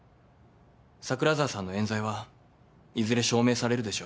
桜沢さんの冤罪はいずれ証明されるでしょう。